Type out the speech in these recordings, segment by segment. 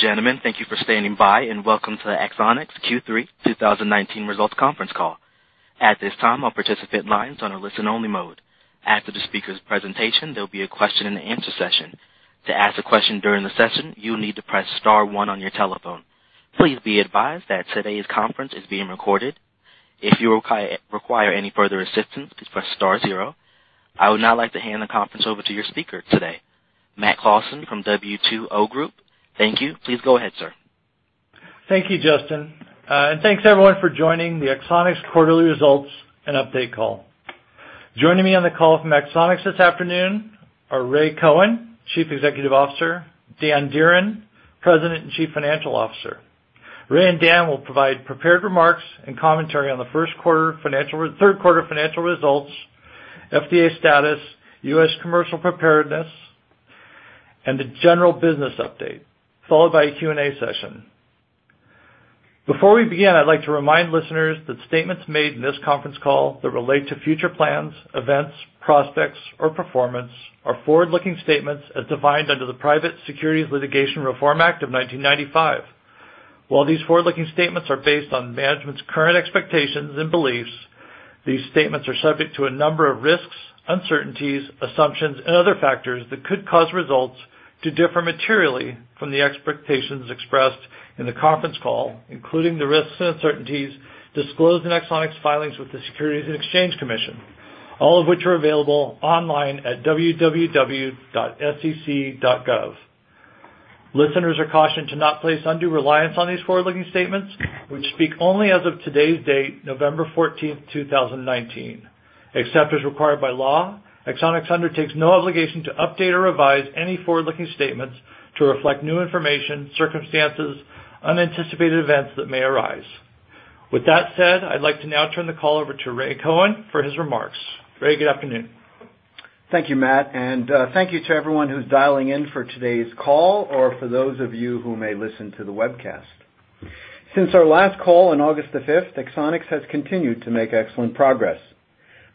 Gentlemen, thank you for standing by, and welcome to the Axonics Q3 2019 Results Conference Call. At this time, all participant lines are on a listen-only mode. After the speaker's presentation, there'll be a question and answer session. To ask a question during the session, you need to press star 1 on your telephone. Please be advised that today's conference is being recorded. If you require any further assistance, please press star 0. I would now like to hand the conference over to your speaker today, Matt Clawson from W2O Group. Thank you. Please go ahead, sir. Thank you, Justin, and thanks everyone for joining the Axonics quarterly results and update call. Joining me on the call from Axonics this afternoon are Ray Cohen, Chief Executive Officer, Dan Dearen, President and Chief Financial Officer. Ray and Dan will provide prepared remarks and commentary on the third quarter financial results, FDA status, U.S. commercial preparedness, and the general business update, followed by a Q&A session. Before we begin, I'd like to remind listeners that statements made in this conference call that relate to future plans, events, prospects, or performance are forward-looking statements as defined under the Private Securities Litigation Reform Act of 1995. While these forward-looking statements are based on management's current expectations and beliefs, these statements are subject to a number of risks, uncertainties, assumptions, and other factors that could cause results to differ materially from the expectations expressed in the conference call, including the risks and uncertainties disclosed in Axonics' filings with the Securities and Exchange Commission, all of which are available online at www.sec.gov. Listeners are cautioned to not place undue reliance on these forward-looking statements, which speak only as of today's date, November 14th, 2019. Except as required by law, Axonics undertakes no obligation to update or revise any forward-looking statements to reflect new information, circumstances, unanticipated events that may arise. With that said, I'd like to now turn the call over to Ray Cohen for his remarks. Ray, good afternoon. Thank you, Matt, thank you to everyone who's dialing in for today's call or for those of you who may listen to the webcast. Since our last call on August the 5th, Axonics has continued to make excellent progress.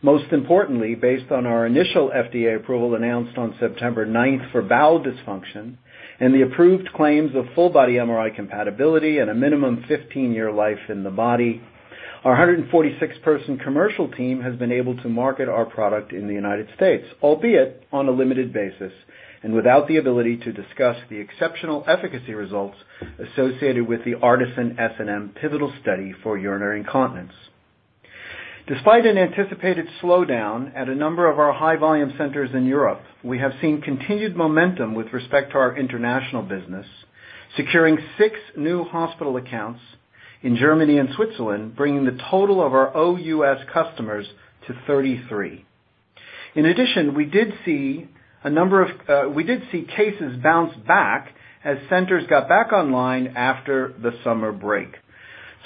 Most importantly, based on our initial FDA approval announced on September 9th for bowel dysfunction and the approved claims of full-body MRI compatibility and a minimum 15-year life in the body, our 146-person commercial team has been able to market our product in the United States, albeit on a limited basis and without the ability to discuss the exceptional efficacy results associated with the ARTISAN-SNM pivotal study for urinary incontinence. Despite an anticipated slowdown at a number of our high-volume centers in Europe, we have seen continued momentum with respect to our international business, securing six new hospital accounts in Germany and Switzerland, bringing the total of our OUS customers to 33. In addition, we did see cases bounce back as centers got back online after the summer break.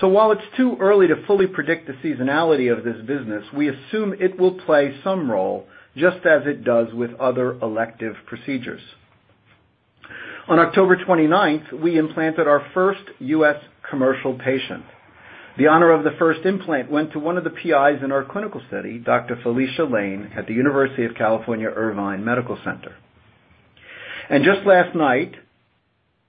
While it's too early to fully predict the seasonality of this business, we assume it will play some role, just as it does with other elective procedures. On October 29th, we implanted our first U.S. commercial patient. The honor of the first implant went to one of the PIs in our clinical study, Dr. Felicia Lane at the University of California, Irvine Medical Center. Just last night,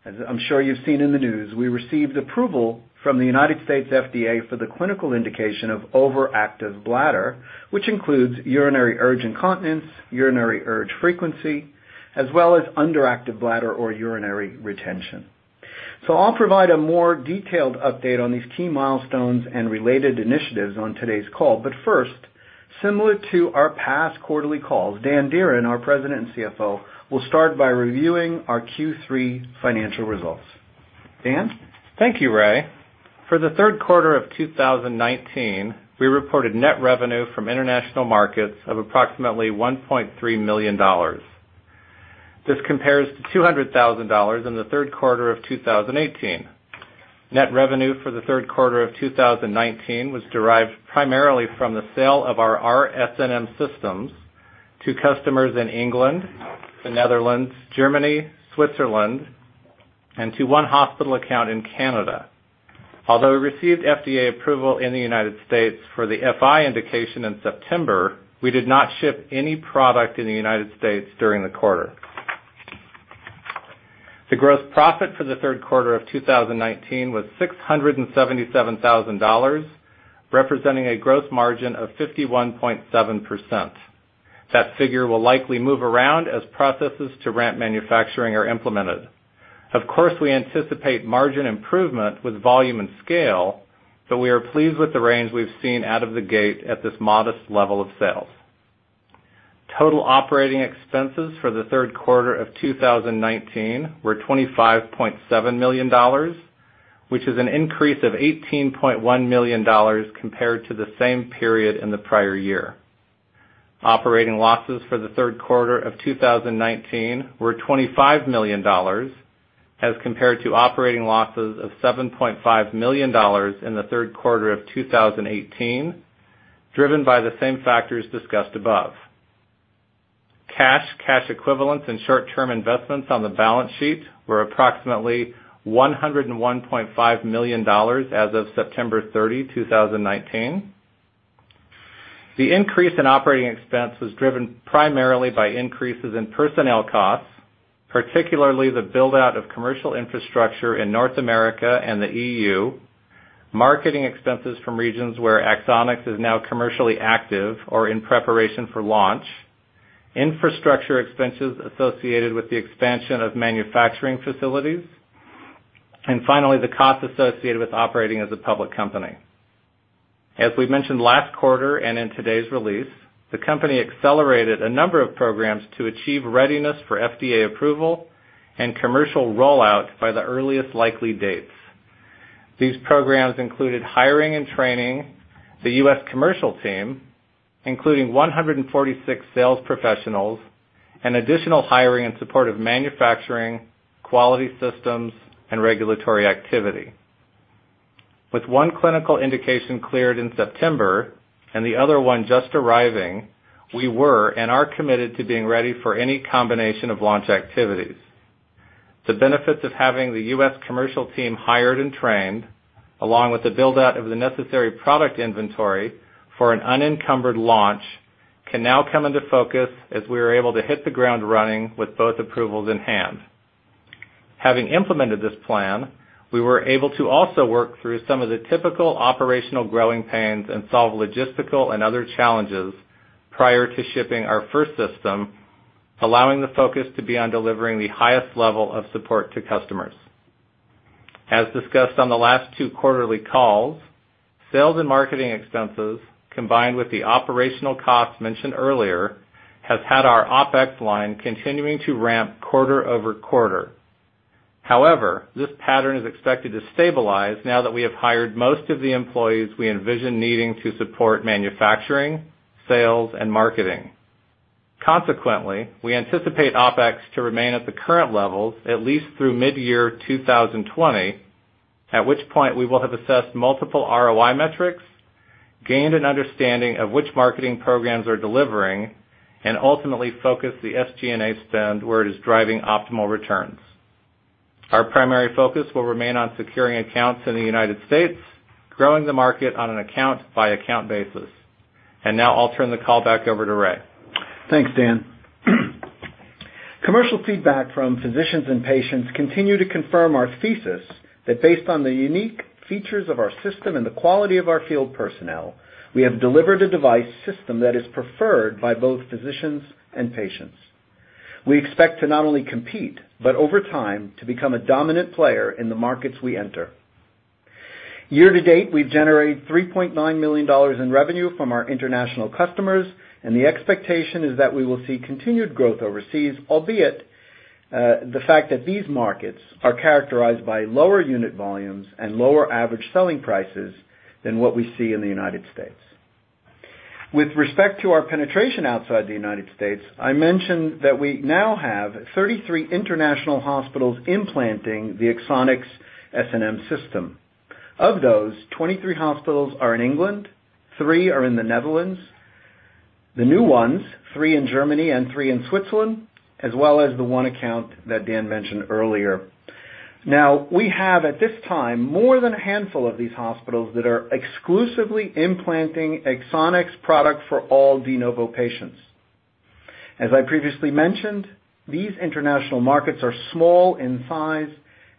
as I'm sure you've seen in the news, we received approval from the United States FDA for the clinical indication of overactive bladder, which includes urinary urge incontinence, urinary urgency frequency, as well as underactive bladder or urinary retention. I'll provide a more detailed update on these key milestones and related initiatives on today's call. First, similar to our past quarterly calls, Dan Dearen, our President and CFO, will start by reviewing our Q3 financial results. Dan? Thank you, Ray. For the third quarter of 2019, we reported net revenue from international markets of approximately $1.3 million. This compares to $200,000 in the third quarter of 2018. Net revenue for the third quarter of 2019 was derived primarily from the sale of our r-SNM systems to customers in England, the Netherlands, Germany, Switzerland, and to one hospital account in Canada. Although we received FDA approval in the United States for the FI indication in September, we did not ship any product in the United States during the quarter. The gross profit for the third quarter of 2019 was $677,000, representing a gross margin of 51.7%. That figure will likely move around as processes to ramp manufacturing are implemented. Of course, we anticipate margin improvement with volume and scale, so we are pleased with the range we've seen out of the gate at this modest level of sales. Total operating expenses for the third quarter of 2019 were $25.7 million, which is an increase of $18.1 million compared to the same period in the prior year. Operating losses for the third quarter of 2019 were $25 million, as compared to operating losses of $7.5 million in the third quarter of 2018, driven by the same factors discussed above. Cash, cash equivalents, and short-term investments on the balance sheet were approximately $101.5 million as of September 30, 2019. The increase in operating expense was driven primarily by increases in personnel costs, particularly the build-out of commercial infrastructure in North America and the EU, marketing expenses from regions where Axonics is now commercially active or in preparation for launch, infrastructure expenses associated with the expansion of manufacturing facilities, and finally, the costs associated with operating as a public company. As we mentioned last quarter and in today's release, the company accelerated a number of programs to achieve readiness for FDA approval and commercial rollout by the earliest likely dates. These programs included hiring and training the U.S. commercial team, including 146 sales professionals, and additional hiring in support of manufacturing, quality systems, and regulatory activity. With one clinical indication cleared in September and the other one just arriving, we were and are committed to being ready for any combination of launch activities. The benefits of having the U.S. commercial team hired and trained, along with the build-out of the necessary product inventory for an unencumbered launch, can now come into focus as we are able to hit the ground running with both approvals in hand. Having implemented this plan, we were able to also work through some of the typical operational growing pains and solve logistical and other challenges prior to shipping our first system, allowing the focus to be on delivering the highest level of support to customers. As discussed on the last two quarterly calls, sales and marketing expenses, combined with the operational costs mentioned earlier, has had our OpEx line continuing to ramp quarter-over-quarter. However, this pattern is expected to stabilize now that we have hired most of the employees we envision needing to support manufacturing, sales, and marketing. Consequently, we anticipate OpEx to remain at the current levels at least through mid-year 2020, at which point we will have assessed multiple ROI metrics, gained an understanding of which marketing programs are delivering, and ultimately focus the SG&A spend where it is driving optimal returns. Our primary focus will remain on securing accounts in the United States, growing the market on an account-by-account basis. Now I'll turn the call back over to Ray. Thanks, Dan. Commercial feedback from physicians and patients continue to confirm our thesis that based on the unique features of our system and the quality of our field personnel, we have delivered a device system that is preferred by both physicians and patients. We expect to not only compete, but over time, to become a dominant player in the markets we enter. Year to date, we've generated $3.9 million in revenue from our international customers. The expectation is that we will see continued growth overseas, albeit, the fact that these markets are characterized by lower unit volumes and lower average selling prices than what we see in the United States. With respect to our penetration outside the United States, I mentioned that we now have 33 international hospitals implanting the Axonics SNM System. Of those, 23 hospitals are in England, three are in the Netherlands. The new ones, three in Germany and three in Switzerland, as well as the one account that Dan mentioned earlier. Now, we have at this time, more than a handful of these hospitals that are exclusively implanting Axonics product for all de novo patients. As I previously mentioned, these international markets are small in size,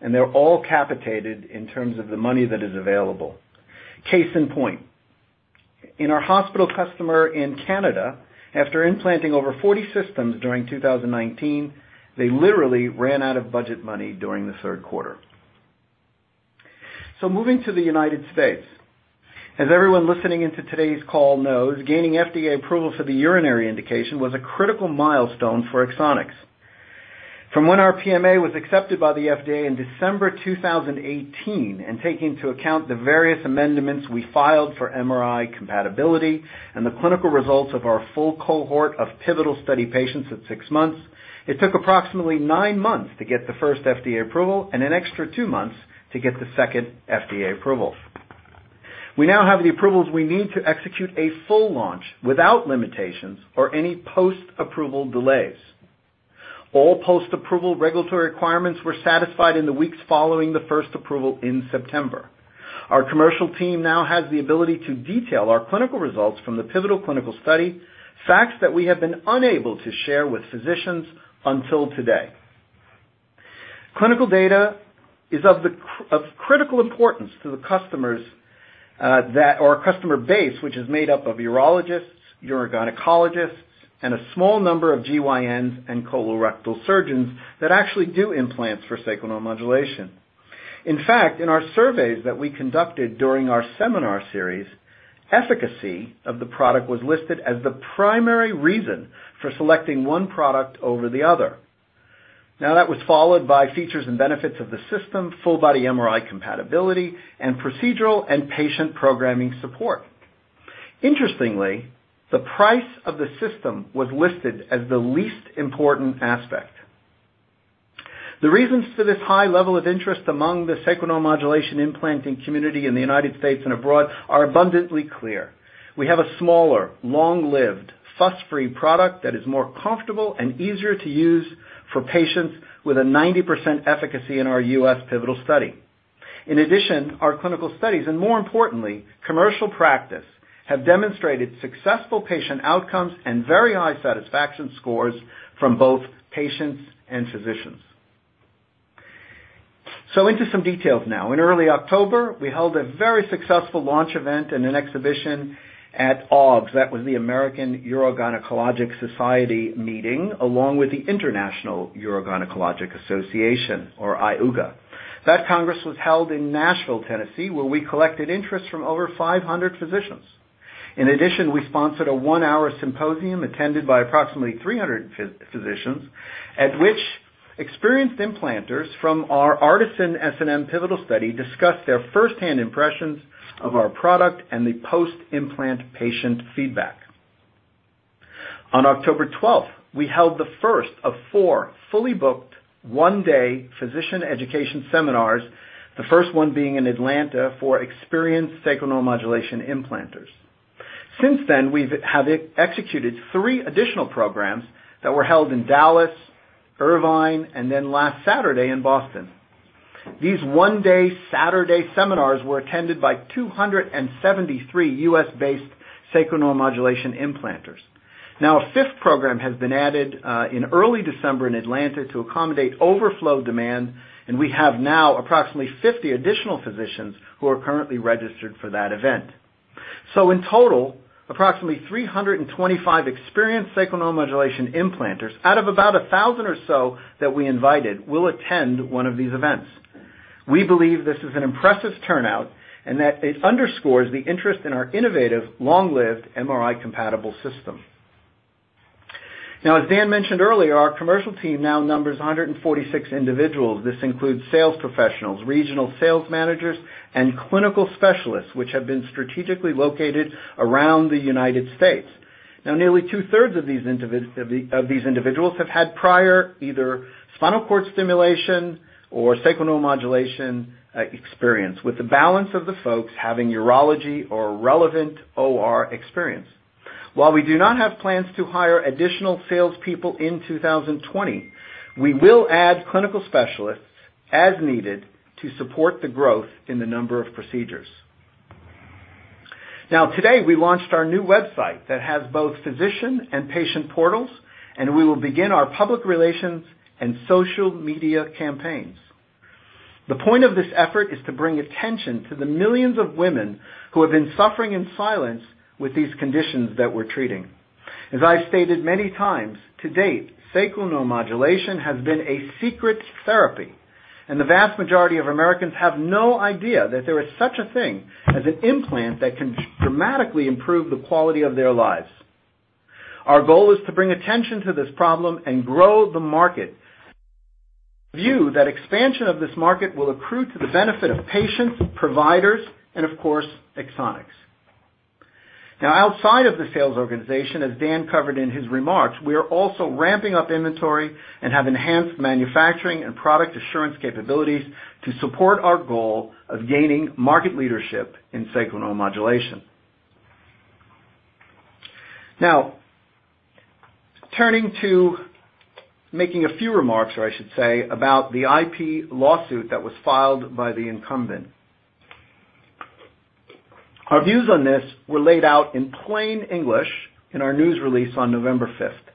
and they're all capitated in terms of the money that is available. Case in point, in our hospital customer in Canada, after implanting over 40 systems during 2019, they literally ran out of budget money during the third quarter. Moving to the U.S., as everyone listening into today's call knows, gaining FDA approval for the urinary indication was a critical milestone for Axonics. From when our PMA was accepted by the FDA in December 2018, and taking into account the various amendments we filed for MRI compatibility and the clinical results of our full cohort of pivotal study patients at six months, it took approximately nine months to get the first FDA approval and an extra two months to get the second FDA approval. We now have the approvals we need to execute a full launch without limitations or any post-approval delays. All post-approval regulatory requirements were satisfied in the weeks following the first approval in September. Our commercial team now has the ability to detail our clinical results from the pivotal clinical study, facts that we have been unable to share with physicians until today. Clinical data is of critical importance to our customer base, which is made up of urologists, urogynecologists, and a small number of GYNs and colorectal surgeons that actually do implants for sacral neuromodulation. In fact, in our surveys that we conducted during our seminar series, efficacy of the product was listed as the primary reason for selecting one product over the other. That was followed by features and benefits of the system, full body MRI compatibility, and procedural and patient programming support. Interestingly, the price of the system was listed as the least important aspect. The reasons for this high level of interest among the sacral neuromodulation implanting community in the United States and abroad are abundantly clear. We have a smaller, long-lived, fuss-free product that is more comfortable and easier to use for patients with a 90% efficacy in our U.S. pivotal study. Our clinical studies, and more importantly, commercial practice, have demonstrated successful patient outcomes and very high satisfaction scores from both patients and physicians. Into some details now. In early October, we held a very successful launch event and an exhibition at AUGS. That was the American Urogynecologic Society meeting, along with the International Urogynecological Association, or IUGA. That congress was held in Nashville, Tennessee, where we collected interests from over 500 physicians. We sponsored a one-hour symposium attended by approximately 300 physicians, at which experienced implanters from our ARTISAN-SNM pivotal study discussed their firsthand impressions of our product and the post-implant patient feedback. On October 12th, we held the first of four fully booked, one-day physician education seminars, the first one being in Atlanta for experienced sacral neuromodulation implanters. Since then, we have executed three additional programs that were held in Dallas, Irvine, and last Saturday in Boston. These one-day Saturday seminars were attended by 273 U.S.-based sacral neuromodulation implanters. A fifth program has been added in early December in Atlanta to accommodate overflow demand, and we have now approximately 50 additional physicians who are currently registered for that event. In total, approximately 325 experienced sacral neuromodulation implanters, out of about 1,000 or so that we invited, will attend one of these events. We believe this is an impressive turnout and that it underscores the interest in our innovative long-lived MRI-compatible system. As Dan mentioned earlier, our commercial team now numbers 146 individuals. This includes sales professionals, regional sales managers, and clinical specialists, which have been strategically located around the U.S. Now nearly two-thirds of these individuals have had prior either spinal cord stimulation or sacral neuromodulation experience, with the balance of the folks having urology or relevant OR experience. While we do not have plans to hire additional salespeople in 2020, we will add clinical specialists as needed to support the growth in the number of procedures. Now, today we launched our new website that has both physician and patient portals, and we will begin our public relations and social media campaigns. The point of this effort is to bring attention to the millions of women who have been suffering in silence with these conditions that we're treating. As I've stated many times to date, sacral neuromodulation has been a secret therapy, and the vast majority of Americans have no idea that there is such a thing as an implant that can dramatically improve the quality of their lives. Our goal is to bring attention to this problem and grow the market. View that expansion of this market will accrue to the benefit of patients, providers, and of course, Axonics. Outside of the sales organization, as Dan covered in his remarks, we are also ramping up inventory and have enhanced manufacturing and product assurance capabilities to support our goal of gaining market leadership in sacral neuromodulation. Turning to making a few remarks, or I should say, about the IP lawsuit that was filed by the incumbent. Our views on this were laid out in plain English in our news release on November 5th.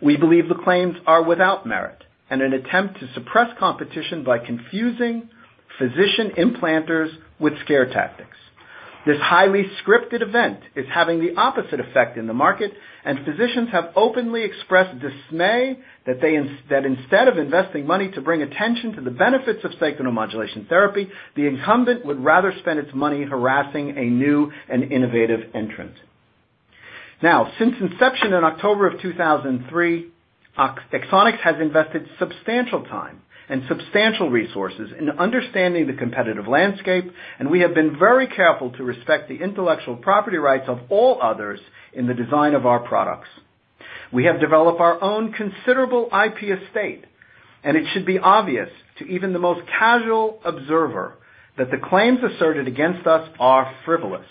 We believe the claims are without merit and an attempt to suppress competition by confusing physician implanters with scare tactics. This highly scripted event is having the opposite effect in the market. Physicians have openly expressed dismay that instead of investing money to bring attention to the benefits of sacral neuromodulation therapy, the incumbent would rather spend its money harassing a new and innovative entrant. Since inception in October of 2003, Axonics has invested substantial time and substantial resources in understanding the competitive landscape. We have been very careful to respect the intellectual property rights of all others in the design of our products. We have developed our own considerable IP estate. It should be obvious to even the most casual observer that the claims asserted against us are frivolous.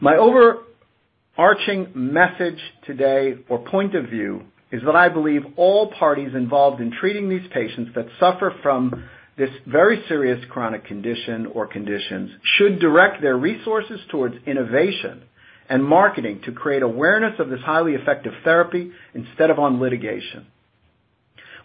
My overarching message today or point of view is that I believe all parties involved in treating these patients that suffer from this very serious chronic condition or conditions should direct their resources towards innovation and marketing to create awareness of this highly effective therapy instead of on litigation.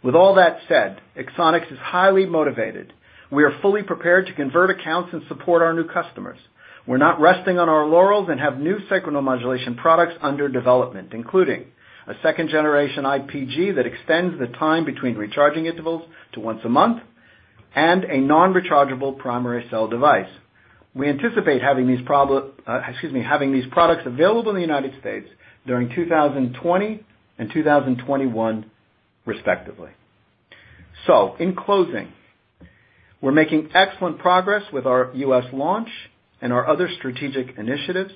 Axonics is highly motivated. We are fully prepared to convert accounts and support our new customers. We're not resting on our laurels and have new sacral neuromodulation products under development, including a second-generation IPG that extends the time between recharging intervals to once a month, and a non-rechargeable primary cell device. We anticipate having these products available in the United States during 2020 and 2021 respectively. In closing, we're making excellent progress with our U.S. launch and our other strategic initiatives.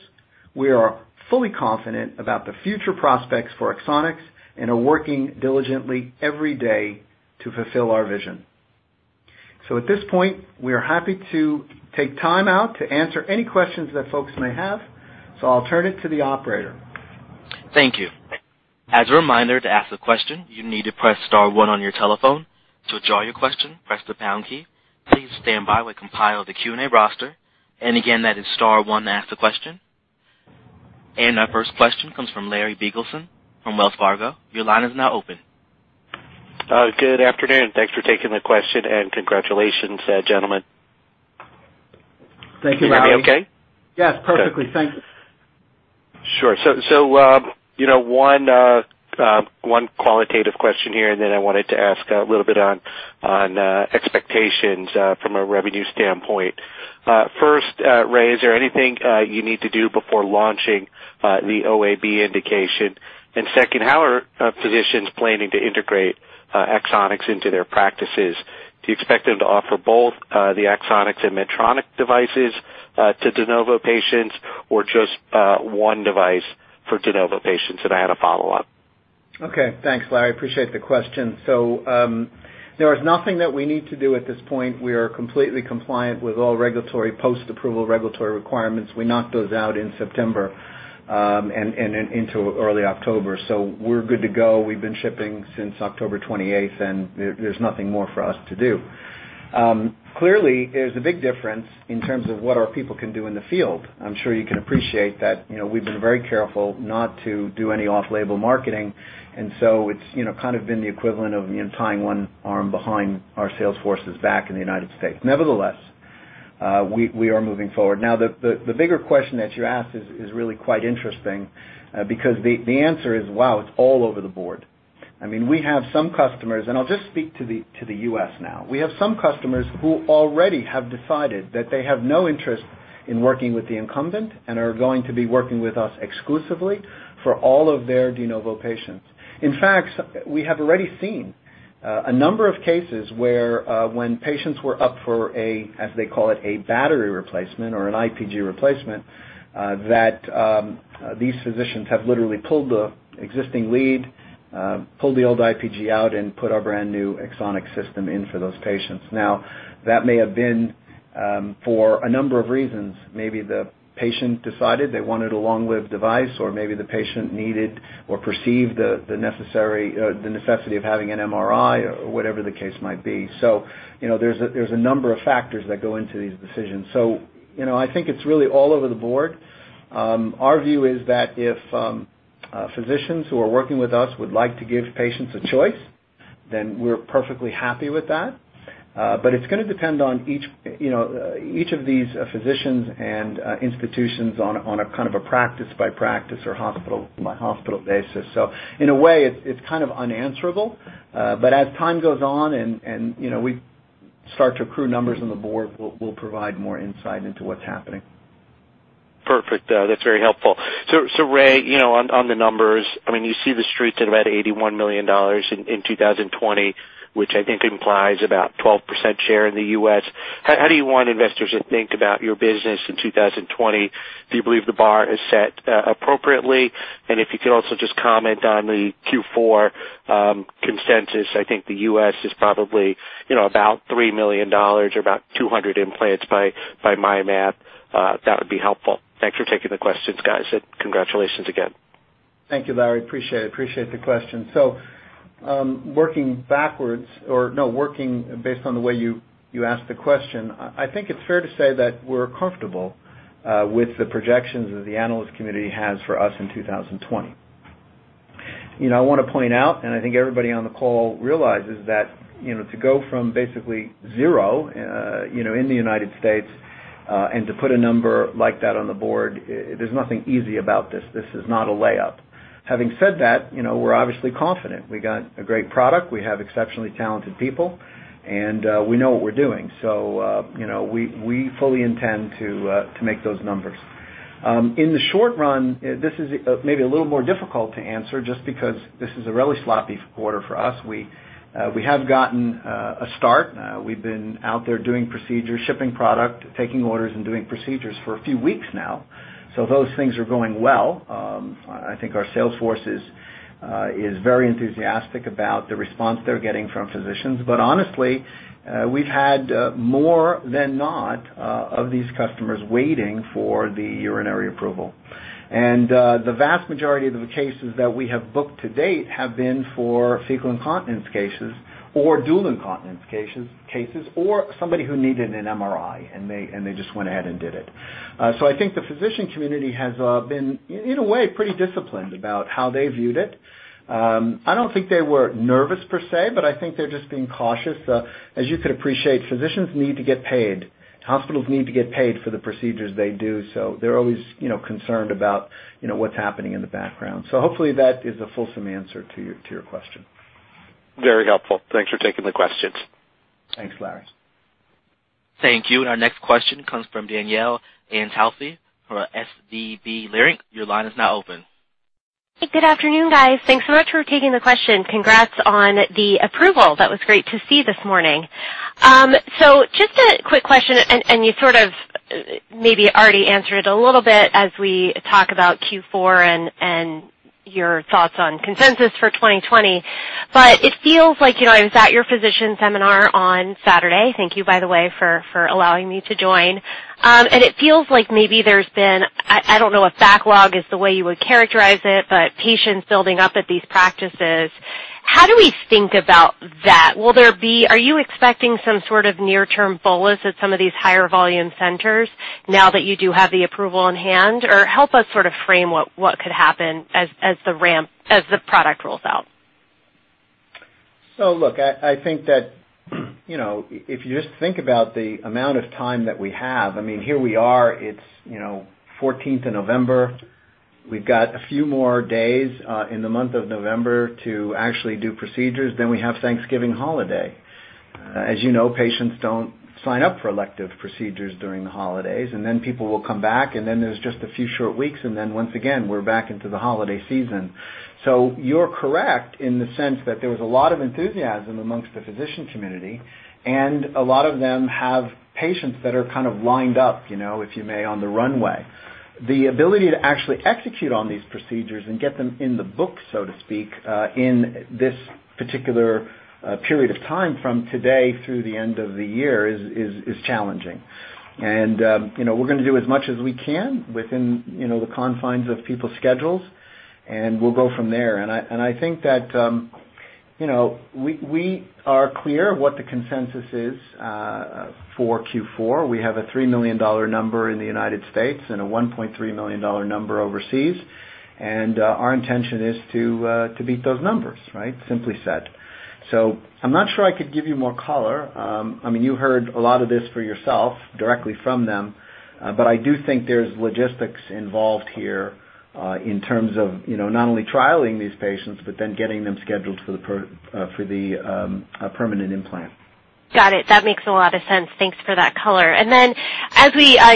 We are fully confident about the future prospects for Axonics and are working diligently every day to fulfill our vision. At this point, we are happy to take time out to answer any questions that folks may have. I'll turn it to the operator. Thank you. As a reminder, to ask a question, you need to press star one on your telephone. To withdraw your question, press the pound key. Please stand by while we compile the Q&A roster. Again, that is star one to ask a question. Our first question comes from Larry Biegelsen from Wells Fargo. Your line is now open. Good afternoon. Thanks for taking the question, and congratulations, gentlemen. Thank you, Larry. Can you hear me okay? Yes, perfectly. Thanks. Sure. One qualitative question here, and then I wanted to ask a little bit on expectations from a revenue standpoint. First, Ray, is there anything you need to do before launching the OAB indication? Second, how are physicians planning to integrate Axonics into their practices? Do you expect them to offer both the Axonics and Medtronic devices to de novo patients or just one device for de novo patients? I had a follow-up. Okay. Thanks, Larry. Appreciate the question. There is nothing that we need to do at this point. We are completely compliant with all regulatory post-approval regulatory requirements. We knocked those out in September and into early October. We're good to go. We've been shipping since October 28th, and there's nothing more for us to do. Clearly, there's a big difference in terms of what our people can do in the field. I'm sure you can appreciate that we've been very careful not to do any off-label marketing, and so it's kind of been the equivalent of tying one arm behind our sales forces back in the United States. Nevertheless, we are moving forward. The bigger question that you asked is really quite interesting, because the answer is, wow, it's all over the board. I mean, we have some customers, and I'll just speak to the U.S. now. We have some customers who already have decided that they have no interest in working with the incumbent and are going to be working with us exclusively for all of their de novo patients. In fact, we have already seen a number of cases where when patients were up for a, as they call it, a battery replacement or an IPG replacement, that these physicians have literally pulled the existing lead, pulled the old IPG out, and put our brand-new Axonics system in for those patients. Now, that may have been for a number of reasons. Maybe the patient decided they wanted a long-lived device, or maybe the patient needed or perceived the necessity of having an MRI, or whatever the case might be. There's a number of factors that go into these decisions. I think it's really all over the board. Our view is that if physicians who are working with us would like to give patients a choice, then we're perfectly happy with that. It's going to depend on each of these physicians and institutions on a kind of a practice-by-practice or hospital-by-hospital basis. In a way, it's kind of unanswerable. As time goes on and we start to accrue numbers on the board, we'll provide more insight into what's happening. Perfect. That's very helpful. Ray, on the numbers, you see the Street's at about $81 million in 2020, which I think implies about 12% share in the U.S. How do you want investors to think about your business in 2020? Do you believe the bar is set appropriately? If you could also just comment on the Q4 consensus, I think the U.S. is probably about $3 million or about 200 implants by my math. That would be helpful. Thanks for taking the questions, guys, and congratulations again. Thank you, Larry. Appreciate it. Appreciate the question. Working backwards or working based on the way you asked the question, I think it's fair to say that we're comfortable with the projections that the analyst community has for us in 2020. I want to point out, and I think everybody on the call realizes that to go from basically zero in the United States and to put a number like that on the board, there's nothing easy about this. This is not a layup. Having said that, we're obviously confident. We got a great product. We have exceptionally talented people, and we know what we're doing. We fully intend to make those numbers. In the short run, this is maybe a little more difficult to answer just because this is a really sloppy quarter for us. We have gotten a start. We've been out there doing procedures, shipping product, taking orders, and doing procedures for a few weeks now, so those things are going well. I think our sales force is very enthusiastic about the response they're getting from physicians. Honestly, we've had more than not of these customers waiting for the urinary approval. The vast majority of the cases that we have booked to date have been for fecal incontinence cases or dual incontinence cases or somebody who needed an MRI, and they just went ahead and did it. I think the physician community has been, in a way, pretty disciplined about how they viewed it. I don't think they were nervous per se, but I think they're just being cautious. As you could appreciate, physicians need to get paid. Hospitals need to get paid for the procedures they do. They're always concerned about what's happening in the background. Hopefully that is a fulsome answer to your question. Very helpful. Thanks for taking the questions. Thanks, Larry. Thank you. Our next question comes from Danielle Antalffy for SVB Leerink. Your line is now open. Good afternoon, guys. Thanks so much for taking the question. Congrats on the approval. That was great to see this morning. Just a quick question, and you sort of maybe already answered a little bit as we talk about Q4 and your thoughts on consensus for 2020. It feels like, I was at your physician seminar on Saturday. Thank you, by the way, for allowing me to join. It feels like maybe there's been, I don't know if backlog is the way you would characterize it, but patients building up at these practices. How do we think about that? Are you expecting some sort of near-term bolus at some of these higher volume centers now that you do have the approval in hand? Help us sort of frame what could happen as the product rolls out. Look, I think that, if you just think about the amount of time that we have, here we are, it's 14th of November. We've got a few more days, in the month of November to actually do procedures. We have Thanksgiving holiday. As you know, patients don't sign up for elective procedures during the holidays. People will come back, and then there's just a few short weeks, and then once again, we're back into the holiday season. You're correct in the sense that there was a lot of enthusiasm amongst the physician community, and a lot of them have patients that are kind of lined up, if you may, on the runway. The ability to actually execute on these procedures and get them in the book, so to speak, in this particular period of time from today through the end of the year is challenging. We're going to do as much as we can within the confines of people's schedules, and we'll go from there. I think that we are clear what the consensus is for Q4. We have a $3 million number in the U.S. and a $1.3 million number overseas. Our intention is to beat those numbers, right? Simply said. I'm not sure I could give you more color. You heard a lot of this for yourself directly from them. I do think there's logistics involved here, in terms of not only trialing these patients, but then getting them scheduled for the permanent implant. Got it. That makes a lot of sense. Thanks for that color. Then,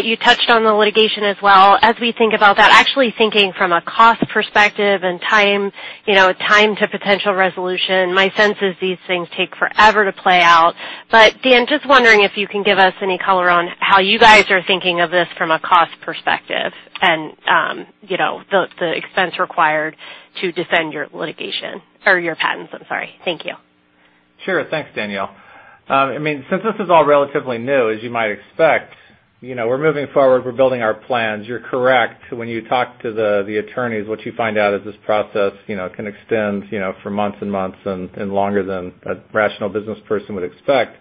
you touched on the litigation as well. As we think about that, actually thinking from a cost perspective and time to potential resolution, my sense is these things take forever to play out. Dan, just wondering if you can give us any color on how you guys are thinking of this from a cost perspective and the expense required to defend your litigation or your patents. I'm sorry. Thank you. Sure. Thanks, Danielle. Since this is all relatively new, as you might expect, we're moving forward. We're building our plans. You're correct when you talk to the attorneys, what you find out is this process can extend for months and months and longer than a rational business person would expect.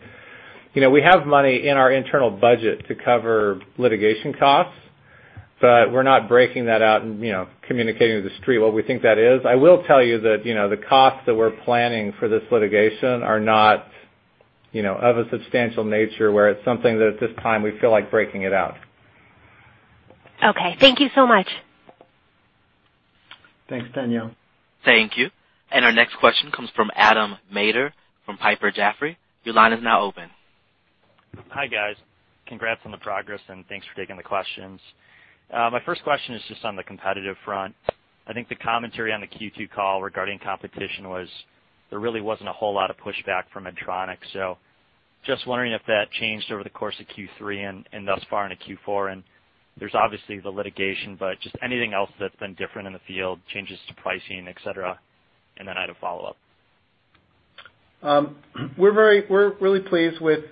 We have money in our internal budget to cover litigation costs, but we're not breaking that out and communicating to the street what we think that is. I will tell you that the costs that we're planning for this litigation are not of a substantial nature where it's something that at this time we feel like breaking it out. Okay. Thank you so much. Thanks, Danielle. Thank you. Our next question comes from Adam Maeder from Piper Jaffray. Your line is now open. Hi, guys. Congrats on the progress and thanks for taking the questions. My first question is just on the competitive front. I think the commentary on the Q2 call regarding competition was there really wasn't a whole lot of pushback from Medtronic. Just wondering if that changed over the course of Q3 and thus far into Q4. There's obviously the litigation, but just anything else that's been different in the field, changes to pricing, et cetera. I had a follow-up. We're really pleased with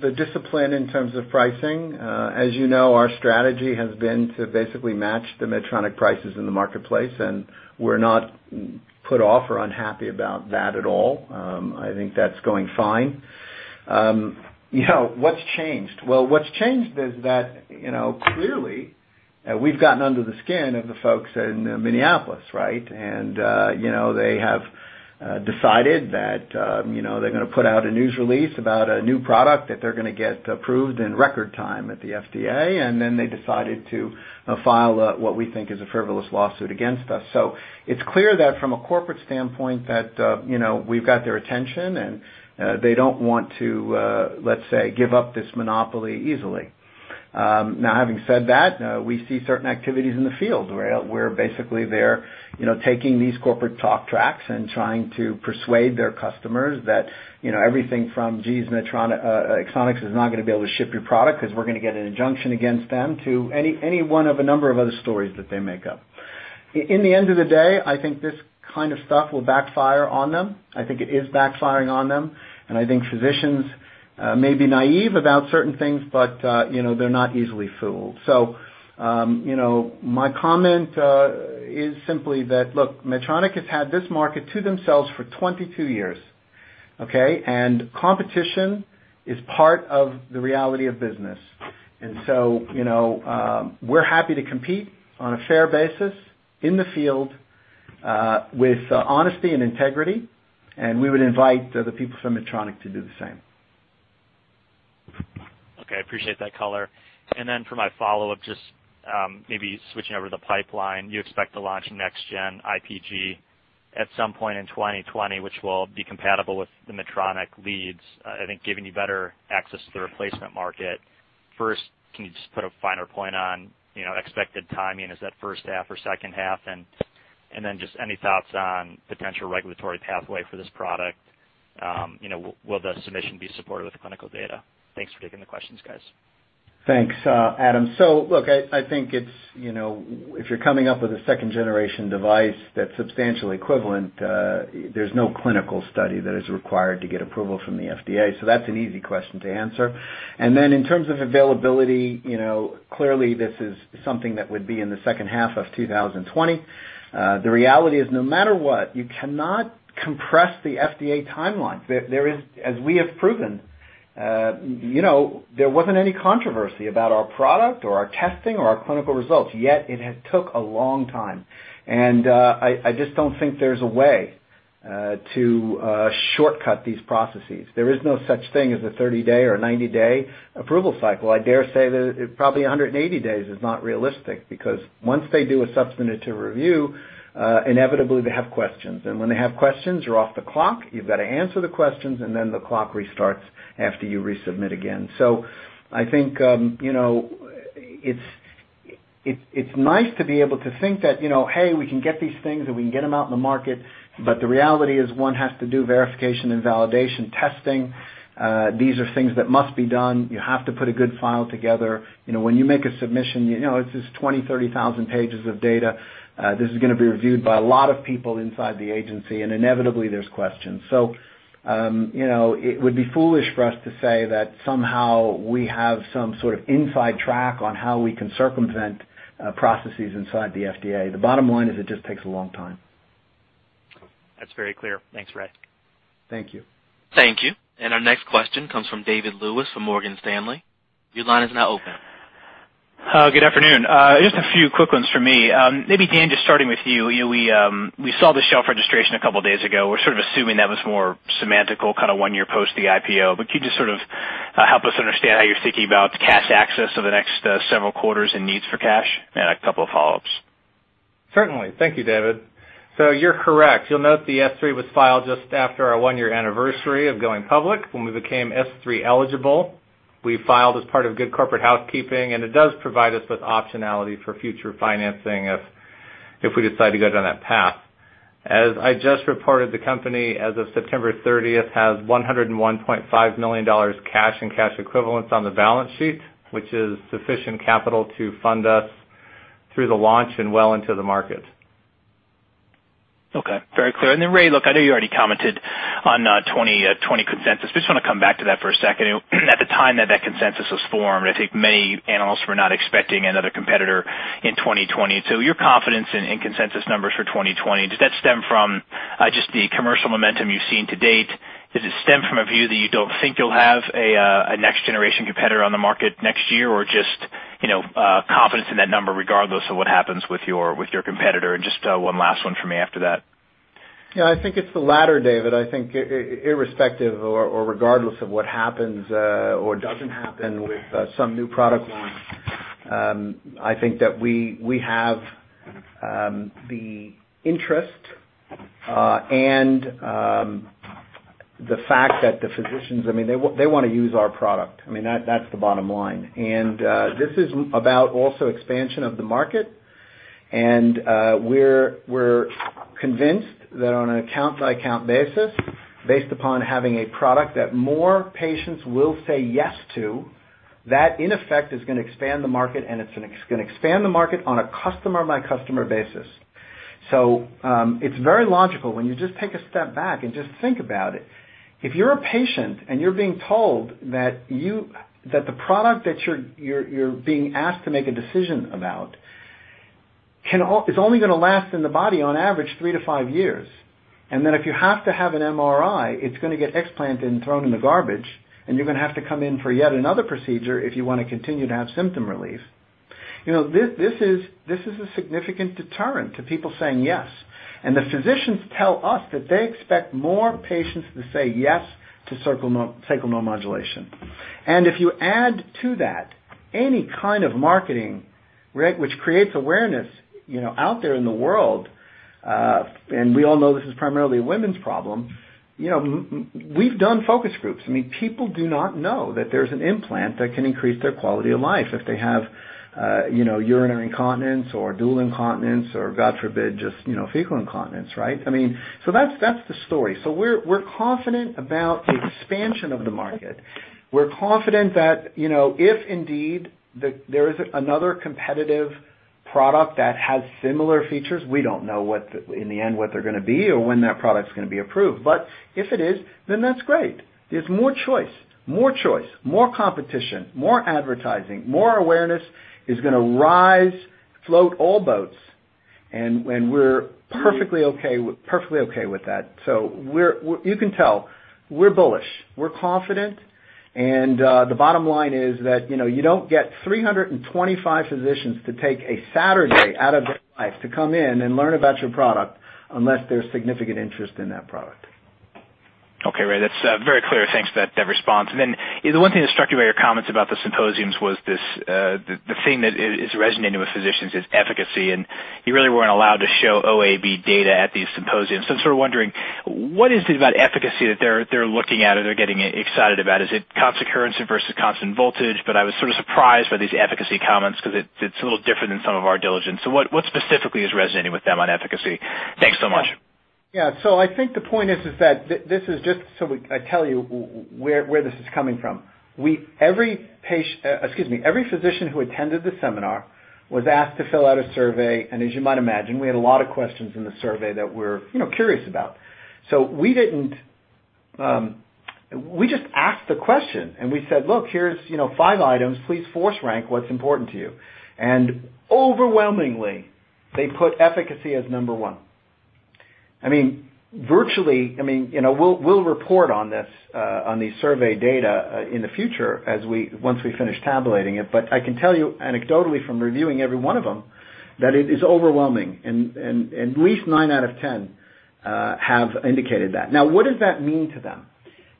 the discipline in terms of pricing. As you know, our strategy has been to basically match the Medtronic prices in the marketplace, and we're not put off or unhappy about that at all. I think that's going fine. What's changed? Well, what's changed is that clearly we've gotten under the skin of the folks in Minneapolis, right? They have decided that they're going to put out a news release about a new product that they're going to get approved in record time at the FDA. They decided to file what we think is a frivolous lawsuit against us. It's clear that from a corporate standpoint that we've got their attention and they don't want to, let's say, give up this monopoly easily. Having said that, we see certain activities in the field where basically they're taking these corporate talk tracks and trying to persuade their customers that everything from Axonics is not going to be able to ship your product because we're going to get an injunction against them to any one of a number of other stories that they make up. In the end of the day, I think this kind of stuff will backfire on them. I think it is backfiring on them, and I think physicians may be naive about certain things, but they're not easily fooled. My comment is simply that, look, Medtronic has had this market to themselves for 22 years, okay? Competition is part of the reality of business. We're happy to compete on a fair basis in the field with honesty and integrity, and we would invite the people from Medtronic to do the same. Okay. I appreciate that color. For my follow-up, just maybe switching over to the pipeline. You expect to launch next gen IPG at some point in 2020, which will be compatible with the Medtronic leads, I think giving you better access to the replacement market. First, can you just put a finer point on expected timing? Is that first half or second half? Just any thoughts on potential regulatory pathway for this product? Will the submission be supported with clinical data? Thanks for taking the questions, guys. Thanks, Adam. Look, I think if you're coming up with a second generation device that's substantially equivalent, there's no clinical study that is required to get approval from the FDA. In terms of availability, clearly this is something that would be in the second half of 2020. The reality is, no matter what, you cannot compress the FDA timeline. As we have proven, there wasn't any controversy about our product or our testing or our clinical results, yet it had took a long time. I just don't think there's a way to shortcut these processes. There is no such thing as a 30-day or a 90-day approval cycle. I dare say that probably 180 days is not realistic, because once they do a substantive review, inevitably they have questions. When they have questions, you're off the clock. You've got to answer the questions, and then the clock restarts after you resubmit again. I think it's nice to be able to think that, "Hey, we can get these things and we can get them out in the market," but the reality is one has to do verification and validation testing. These are things that must be done. You have to put a good file together. When you make a submission, it's this 20,000, 30,000 pages of data. This is going to be reviewed by a lot of people inside the agency, and inevitably there's questions. It would be foolish for us to say that somehow we have some sort of inside track on how we can circumvent processes inside the FDA. The bottom line is it just takes a long time. That's very clear. Thanks, Ray. Thank you. Thank you. Our next question comes from David Lewis from Morgan Stanley. Your line is now open. Good afternoon. Just a few quick ones for me. Maybe Dan, just starting with you. We saw the shelf registration a couple of days ago. We're sort of assuming that was more semantical, kind of one year post the IPO. Could you just sort of help us understand how you're thinking about cash access over the next several quarters and needs for cash? A couple of follow-ups. Certainly. Thank you, David. You're correct. You'll note the S-3 was filed just after our one-year anniversary of going public, when we became S-3 eligible. We filed as part of good corporate housekeeping. It does provide us with optionality for future financing if we decide to go down that path. As I just reported, the company, as of September 30th, has $101.5 million cash and cash equivalents on the balance sheet, which is sufficient capital to fund us through the launch and well into the market. Okay. Very clear. Ray, look, I know you already commented on 2020 consensus. Just want to come back to that for a second. At the time that consensus was formed, I think many analysts were not expecting another competitor in 2020. Your confidence in consensus numbers for 2020, does that stem from just the commercial momentum you've seen to date? Does it stem from a view that you don't think you'll have a next generation competitor on the market next year? Just confidence in that number regardless of what happens with your competitor? Just one last one from me after that. Yeah, I think it's the latter, David. I think irrespective or regardless of what happens or doesn't happen with some new product launch, I think that we have the interest and the fact that the physicians want to use our product. That's the bottom line. This is about also expansion of the market, and we're convinced that on an account-by-account basis, based upon having a product that more patients will say yes to, that in effect is going to expand the market, and it's going to expand the market on a customer-by-customer basis. It's very logical when you just take a step back and just think about it. If you're a patient and you're being told that the product that you're being asked to make a decision about is only going to last in the body on average three to five years. If you have to have an MRI, it's going to get explanted and thrown in the garbage, and you're going to have to come in for yet another procedure if you want to continue to have symptom relief. This is a significant deterrent to people saying yes. The physicians tell us that they expect more patients to say yes to sacral neuromodulation. If you add to that any kind of marketing, which creates awareness out there in the world, and we all know this is primarily a women's problem. We've done focus groups. People do not know that there's an implant that can increase their quality of life if they have urinary incontinence or dual incontinence or, God forbid, just fecal incontinence, right? That's the story. We're confident about the expansion of the market. We're confident that if indeed there is another competitive product that has similar features, we don't know in the end what they're going to be or when that product's going to be approved. If it is, then that's great. There's more choice. More choice, more competition, more advertising, more awareness is going to rise, float all boats, and we're perfectly okay with that. You can tell we're bullish, we're confident, and the bottom line is that you don't get 325 physicians to take a Saturday out of their life to come in and learn about your product unless there's significant interest in that product. Okay, Ray, that's very clear. Thanks for that response. The one thing that struck me about your comments about the symposiums was the thing that is resonating with physicians is efficacy, and you really weren't allowed to show OAB data at these symposiums. We're wondering, what is it about efficacy that they're looking at it or getting excited about? Is it cup occurrence versus cup and voltage? I was sort of surprised by these efficacy comments because it's a little different in some of our diligence. What specifically is resonating with them on efficacy? Thanks so much. Yeah. I think the point is that, just so I tell you where this is coming from. Every physician who attended the seminar was asked to fill out a survey. As you might imagine, we had a lot of questions in the survey that we're curious about. We just asked the question and we said, "Look, here's five items. Please force rank what's important to you." Overwhelmingly, they put efficacy as number one. We'll report on these survey data in the future once we finish tabulating it. I can tell you anecdotally from reviewing every one of them, that it is overwhelming and at least 9 out of 10 have indicated that. Now, what does that mean to them?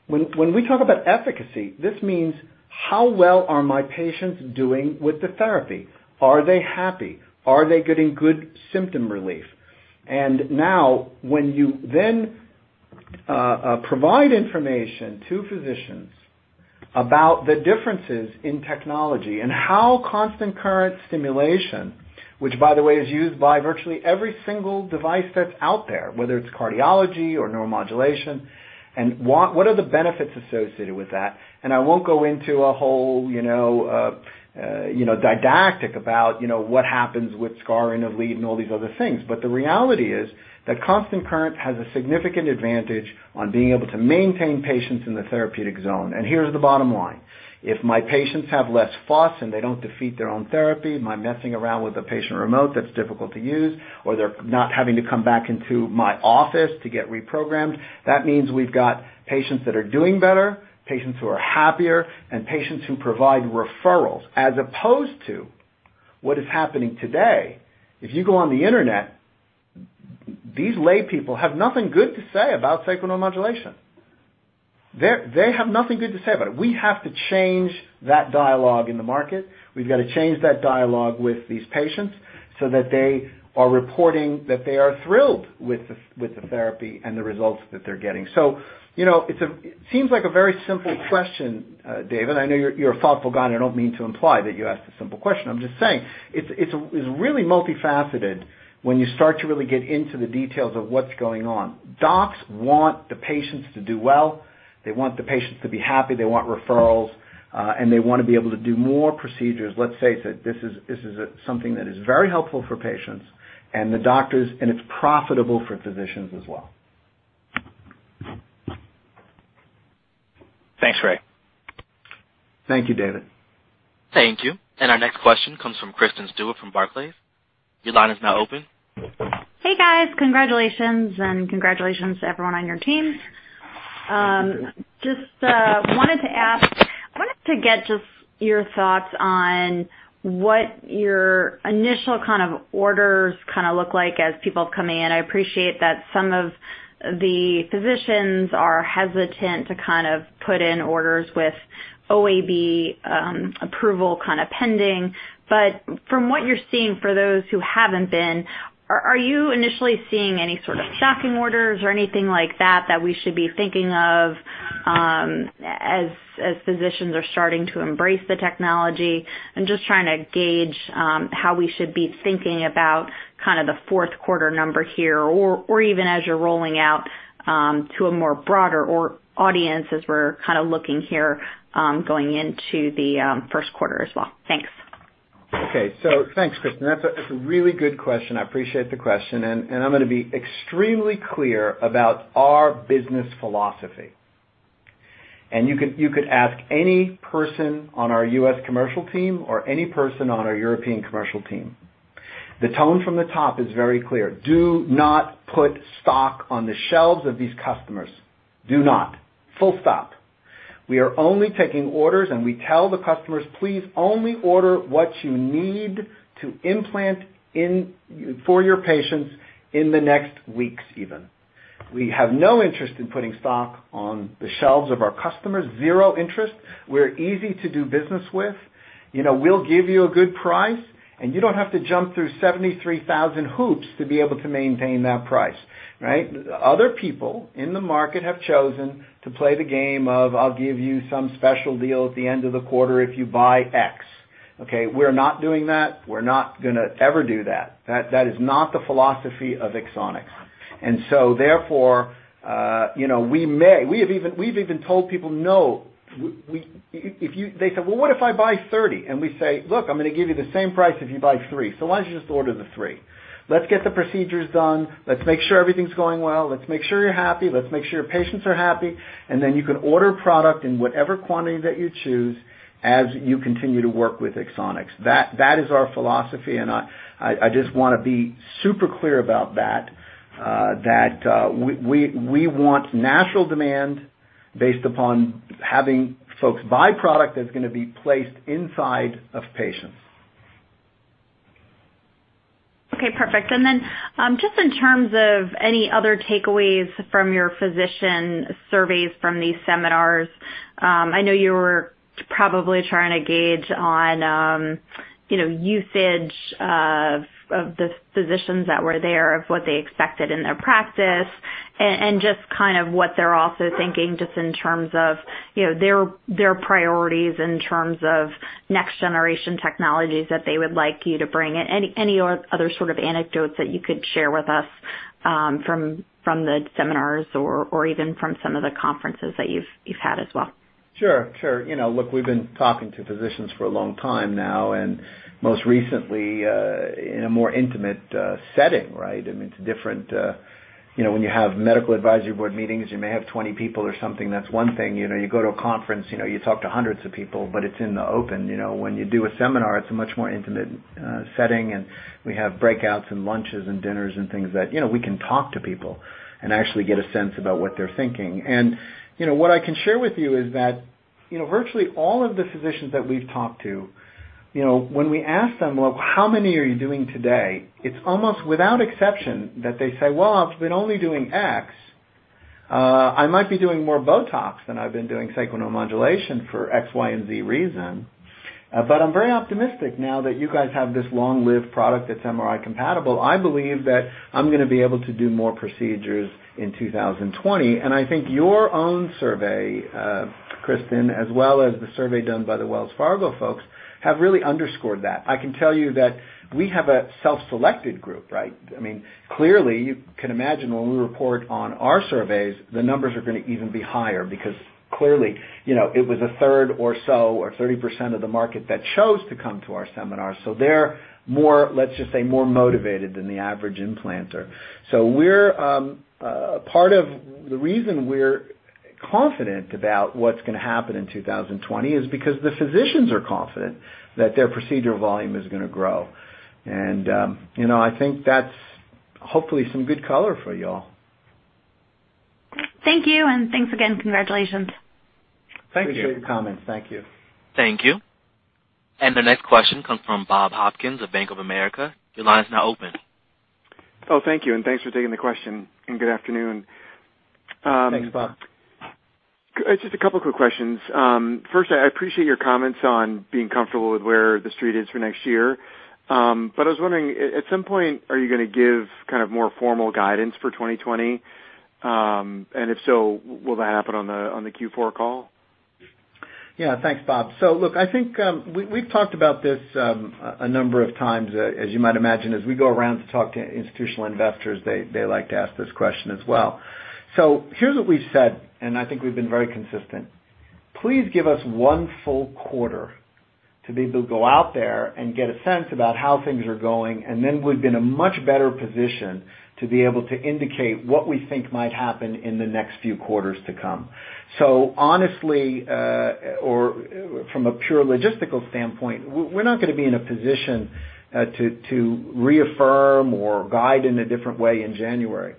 When we talk about efficacy, this means how well are my patients doing with the therapy? Are they happy? Are they getting good symptom relief? Now, when you then provide information to physicians about the differences in technology and how constant current stimulation, which by the way is used by virtually every single device that's out there, whether it's cardiology or neuromodulation, and what are the benefits associated with that. I won't go into a whole didactic about what happens with scarring of lead and all these other things. The reality is that constant current has a significant advantage on being able to maintain patients in the therapeutic zone. Here's the bottom line. If my patients have less fuss and they don't defeat their own therapy by messing around with a patient remote that's difficult to use, or they're not having to come back into my office to get reprogrammed, that means we've got patients that are doing better, patients who are happier, and patients who provide referrals. As opposed to what is happening today. If you go on the internet, these laypeople have nothing good to say about sacral neuromodulation. They have nothing good to say about it. We have to change that dialogue in the market. We've got to change that dialogue with these patients so that they are reporting that they are thrilled with the therapy and the results that they're getting. It seems like a very simple question, David. I know you're a thoughtful guy, and I don't mean to imply that you asked a simple question. I'm just saying, it's really multifaceted when you start to really get into the details of what's going on. Docs want the patients to do well. They want the patients to be happy. They want referrals, and they want to be able to do more procedures. Let's say that this is something that is very helpful for patients and it's profitable for physicians as well. Thanks, Ray. Thank you, David. Thank you. Our next question comes from Kristen Stewart from Barclays. Your line is now open. Hey, guys. Congratulations, and congratulations to everyone on your team. Thank you. Just wanted to get just your thoughts on what your initial kind of orders look like as people come in. I appreciate that some of the physicians are hesitant to put in orders with OAB approval pending. From what you're seeing for those who haven't been, are you initially seeing any sort of stocking orders or anything like that we should be thinking of as physicians are starting to embrace the technology? I'm just trying to gauge how we should be thinking about the fourth quarter number here, or even as you're rolling out to a more broader audience as we're kind of looking here going into the first quarter as well. Thanks. Thanks, Kristen. That's a really good question. I appreciate the question. I'm going to be extremely clear about our business philosophy. You could ask any person on our U.S. commercial team or any person on our European commercial team. The tone from the top is very clear. Do not put stock on the shelves of these customers. Do not. Full stop. We are only taking orders. We tell the customers, please only order what you need to implant for your patients in the next weeks even. We have no interest in putting stock on the shelves of our customers. Zero interest. We're easy to do business with. We'll give you a good price. You don't have to jump through 73,000 hoops to be able to maintain that price, right? Other people in the market have chosen to play the game of I'll give you some special deal at the end of the quarter if you buy X. Okay. We're not doing that. We're not going to ever do that. That is not the philosophy of Axonics. Therefore, we've even told people no. They say, "Well, what if I buy 30?" We say, "Look, I'm going to give you the same price if you buy three." Why don't you just order the three? Let's get the procedures done. Let's make sure everything's going well. Let's make sure you're happy. Let's make sure your patients are happy. You can order product in whatever quantity that you choose as you continue to work with Axonics. That is our philosophy and I just want to be super clear about that we want natural demand based upon having folks buy product that's going to be placed inside of patients. Okay, perfect. Just in terms of any other takeaways from your physician surveys from these seminars. I know you were probably trying to gauge on usage of the physicians that were there, of what they expected in their practice, and just kind of what they're also thinking just in terms of their priorities, in terms of next generation technologies that they would like you to bring in. Any other sort of anecdotes that you could share with us? From the seminars or even from some of the conferences that you've had as well? Sure. Look, we've been talking to physicians for a long time now, most recently, in a more intimate setting, right? When you have medical advisory board meetings, you may have 20 people or something. That's one thing. You go to a conference, you talk to hundreds of people, it's in the open. When you do a seminar, it's a much more intimate setting, we have breakouts and lunches and dinners and things that we can talk to people and actually get a sense about what they're thinking. What I can share with you is that virtually all of the physicians that we've talked to, when we ask them, "Well, how many are you doing today?" It's almost without exception that they say, "Well, I've been only doing X. I might be doing more BOTOX than I've been doing sacral neuromodulation for X, Y, and Z reason. I'm very optimistic now that you guys have this long-lived product that's MRI compatible. I believe that I'm going to be able to do more procedures in 2020. I think your own survey, Kristen, as well as the survey done by the Wells Fargo folks, have really underscored that. I can tell you that we have a self-selected group, right? Clearly, you can imagine when we report on our surveys, the numbers are going to even be higher because clearly, it was a third or so or 30% of the market that chose to come to our seminar. They're, let's just say, more motivated than the average implanter. Part of the reason we're confident about what's going to happen in 2020 is because the physicians are confident that their procedure volume is going to grow. I think that's hopefully some good color for you all. Thank you, and thanks again. Congratulations. Thank you. Appreciate your comments. Thank you. Thank you. The next question comes from Bob Hopkins of Bank of America. Your line is now open. Oh, thank you. Thanks for taking the question, and good afternoon. Thanks, Bob. It's just a couple quick questions. First, I appreciate your comments on being comfortable with where the street is for next year. I was wondering, at some point, are you going to give more formal guidance for 2020? If so, will that happen on the Q4 call? Yeah. Thanks, Bob. Look, I think we've talked about this a number of times. As you might imagine, as we go around to talk to institutional investors, they like to ask this question as well. Here's what we've said, and I think we've been very consistent. Please give us one full quarter to be able to go out there and get a sense about how things are going, and then we'd be in a much better position to be able to indicate what we think might happen in the next few quarters to come. Honestly, or from a pure logistical standpoint, we're not going to be in a position to reaffirm or guide in a different way in January.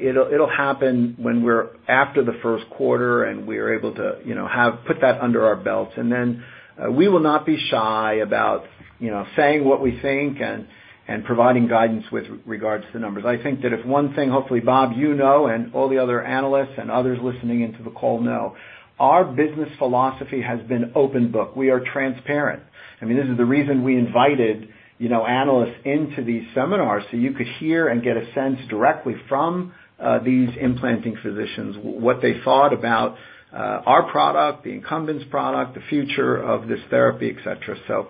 It'll happen when we're after the first quarter, and we are able to put that under our belts, and then we will not be shy about saying what we think and providing guidance with regards to numbers. I think that if one thing, hopefully, Bob, you know, and all the other analysts and others listening into the call know, our business philosophy has been open book. We are transparent. This is the reason we invited analysts into these seminars so you could hear and get a sense directly from these implanting physicians what they thought about our product, the incumbent's product, the future of this therapy, et cetera.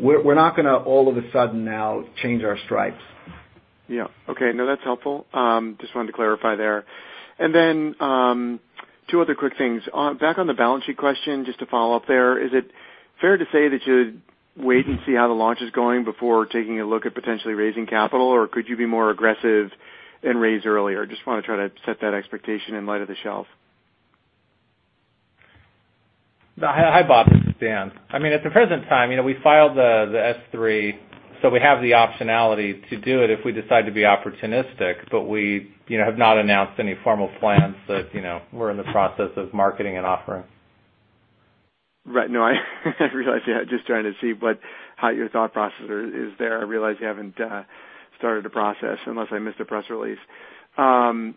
We're not going to all of a sudden now change our stripes. Yeah. Okay. No, that's helpful. Just wanted to clarify there. Two other quick things. Back on the balance sheet question, just to follow up there, is it fair to say that you would wait and see how the launch is going before taking a look at potentially raising capital, or could you be more aggressive and raise earlier? Just want to try to set that expectation in light of the shelf. Hi, Bob. This is Dan. At the present time, we filed the S-3, so we have the optionality to do it if we decide to be opportunistic, but we have not announced any formal plans that we're in the process of marketing and offering. Right. No, I realize, yeah. Just trying to see how your thought process is there. I realize you haven't started a process unless I missed a press release. I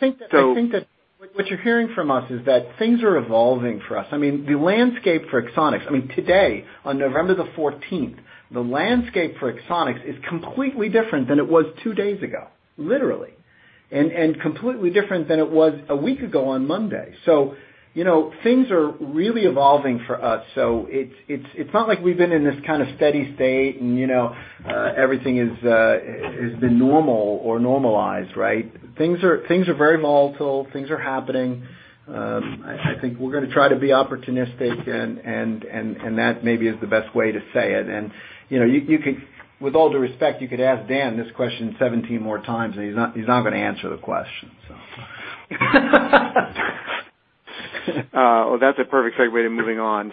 think that what you're hearing from us is that things are evolving for us. The landscape for Axonics, today on November 14th, the landscape for Axonics is completely different than it was two days ago, literally. Completely different than it was a week ago on Monday. Things are really evolving for us. It's not like we've been in this kind of steady state, and everything has been normal or normalized, right? Things are very volatile. Things are happening. I think we're going to try to be opportunistic, and that maybe is the best way to say it. With all due respect, you could ask Dan this question 17 more times, and he's not going to answer the question. Oh, that's a perfect segue to moving on.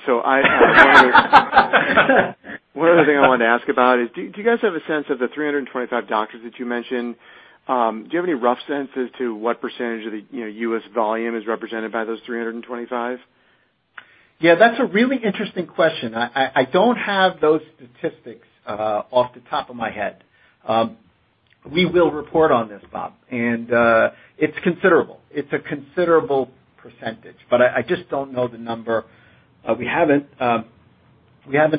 One other thing I wanted to ask about is, do you guys have a sense of the 325 doctors that you mentioned? Do you have any rough sense as to what percentage of the U.S. volume is represented by those 325? Yeah, that's a really interesting question. I don't have those statistics off the top of my head. We will report on this, Bob, and it's considerable. It's a considerable percentage, but I just don't know the number. We haven't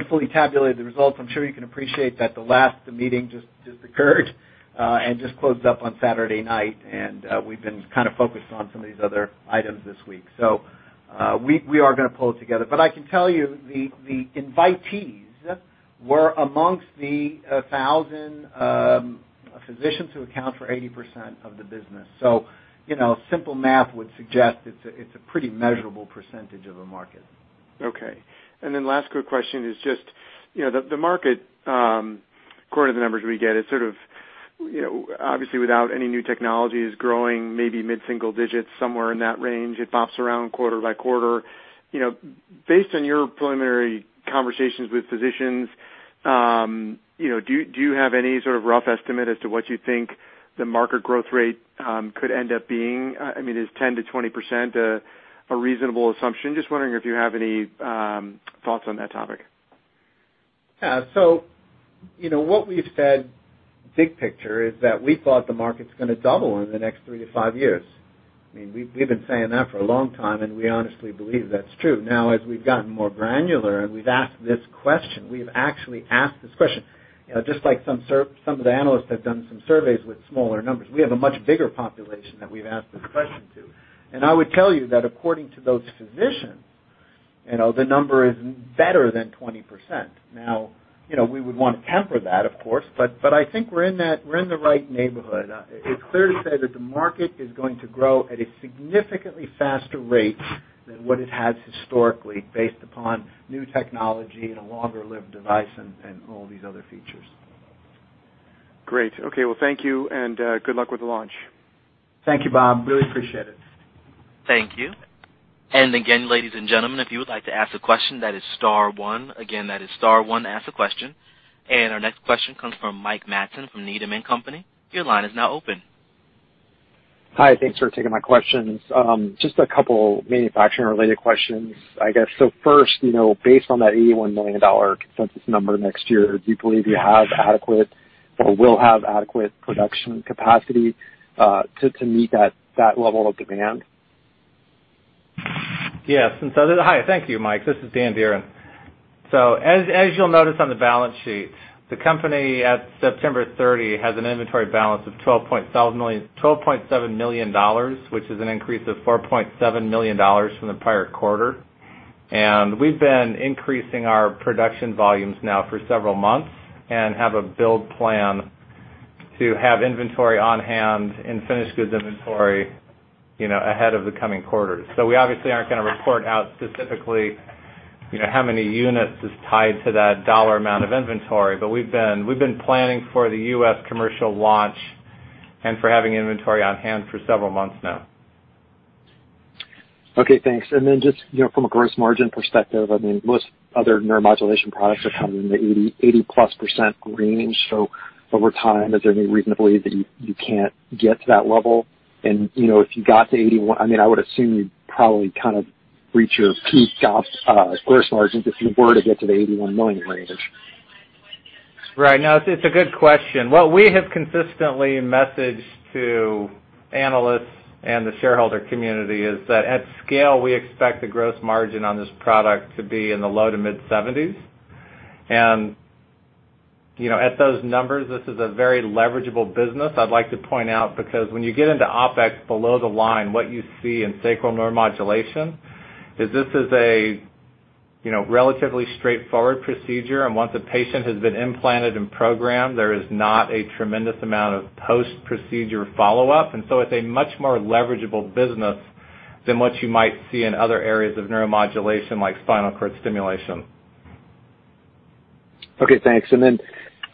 fully tabulated the results. I'm sure you can appreciate that the last meeting just occurred and just closed up on Saturday night, and we've been kind of focused on some of these other items this week. We are going to pull it together. I can tell you the invitees were amongst the 1,000 physicians who account for 80% of the business. Simple math would suggest it's a pretty measurable percentage of the market. Okay. Last quick question is just, the market, according to the numbers we get, is sort of obviously without any new technologies growing maybe mid-single digits, somewhere in that range. It bops around quarter by quarter. Based on your preliminary conversations with physicians, do you have any sort of rough estimate as to what you think the market growth rate could end up being? I mean, is 10%-20% a reasonable assumption? Just wondering if you have any thoughts on that topic. Yeah. What we've said big picture is that we thought the market's going to double in the next 3-5 years. We've been saying that for a long time, and we honestly believe that's true. As we've gotten more granular and we've actually asked this question just like some of the analysts have done some surveys with smaller numbers. We have a much bigger population that we've asked this question to. I would tell you that according to those physicians, the number is better than 20%. We would want to temper that, of course, but I think we're in the right neighborhood. It's clear to say that the market is going to grow at a significantly faster rate than what it has historically based upon new technology and a longer-lived device and all these other features. Great. Okay. Well, thank you, and good luck with the launch. Thank you, Bob. Really appreciate it. Thank you. Again, ladies and gentlemen, if you would like to ask a question, that is star one. Again, that is star one to ask a question. Our next question comes from Mike Matson from Needham & Company. Your line is now open. Hi. Thanks for taking my questions. Just a couple manufacturing-related questions, I guess. First, based on that $81 million consensus number next year, do you believe you have adequate or will have adequate production capacity to meet that level of demand? Yes. Hi. Thank you, Mike. This is Dan Dearen. As you'll notice on the balance sheet, the company at September 30 has an inventory balance of $12.7 million, which is an increase of $4.7 million from the prior quarter. We've been increasing our production volumes now for several months and have a build plan to have inventory on hand and finished goods inventory ahead of the coming quarters. We obviously aren't going to report out specifically how many units is tied to that dollar amount of inventory. We've been planning for the U.S. commercial launch and for having inventory on hand for several months now. Okay, thanks. Just from a gross margin perspective, most other neuromodulation products are coming in the 80+% range. Over time, is there any reason to believe that you can't get to that level? If you got to 81, I would assume you'd probably kind of reach your peak gross margins if you were to get to the $81 million range. Right. No, it's a good question. What we have consistently messaged to analysts and the shareholder community is that at scale, we expect the gross margin on this product to be in the low to mid-70s. At those numbers, this is a very leverageable business, I'd like to point out, because when you get into OpEx below the line, what you see in sacral neuromodulation is this is a relatively straightforward procedure. Once a patient has been implanted and programmed, there is not a tremendous amount of post-procedure follow-up. It's a much more leverageable business than what you might see in other areas of neuromodulation, like spinal cord stimulation. Okay, thanks.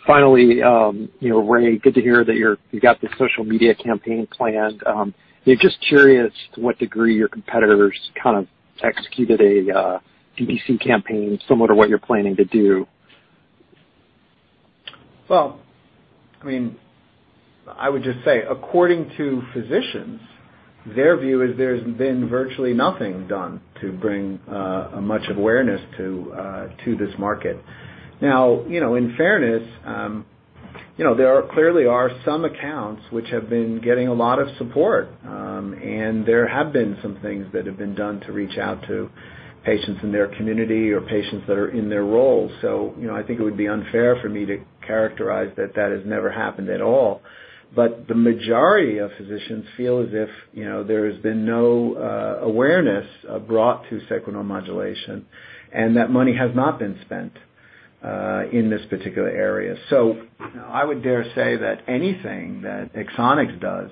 Finally, Ray, good to hear that you got this social media campaign planned. Yeah, just curious to what degree your competitors kind of executed a DTC campaign similar to what you're planning to do. Well, I would just say, according to physicians, their view is there's been virtually nothing done to bring much awareness to this market. In fairness, there clearly are some accounts which have been getting a lot of support, and there have been some things that have been done to reach out to patients in their community or patients that are in their role. I think it would be unfair for me to characterize that that has never happened at all. The majority of physicians feel as if there has been no awareness brought to sacral neuromodulation and that money has not been spent in this particular area. I would dare say that anything that Axonics does